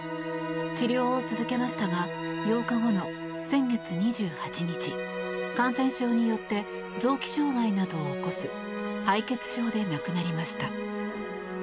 治療を続けましたが８日後の先月２８日感染症によって臓器障害などを起こす敗血症で亡くなりました。